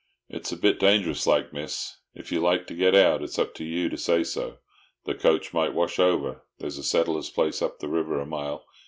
"It's a bit dangerous like, Miss. If you like to get out, it's up to you to say so. The coach might wash over. There's a settler's place up the river a mile.